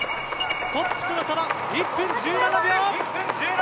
トップとの差は１分１７秒。